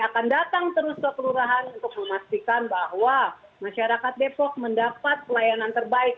akan datang terus ke kelurahan untuk memastikan bahwa masyarakat depok mendapat pelayanan terbaik